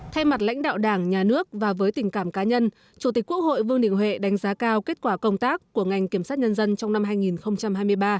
thay mặt lãnh đạo đảng nhà nước và với tình cảm cá nhân chủ tịch quốc hội vương đình huệ đánh giá cao kết quả công tác của ngành kiểm sát nhân dân trong năm hai nghìn hai mươi ba